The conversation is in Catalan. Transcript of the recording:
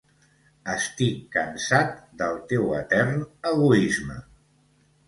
Estic cansat del teu etern egoisme!